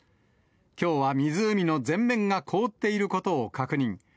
きょうは湖の全面が凍っていることを確認。